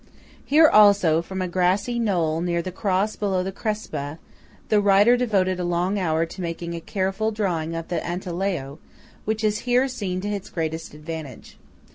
Hence also, from a grassy knoll near the cross below the Crepa, the writer devoted a long hour to making a careful drawing of the Antelao which is here seen to its greatest advantage.